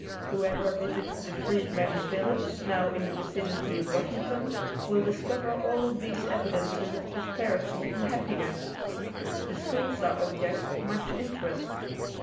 Whoever visits the Freedmen's Village now in the vicinity of Washington will discover all of these evidences of prosperity and happiness. The schools are objects of much interest.